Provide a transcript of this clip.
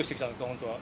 本当は。